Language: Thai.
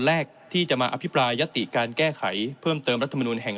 แรกที่จะมาอภิปรายยติการแก้ไขเพิ่มเติมรัฐมนุนแห่ง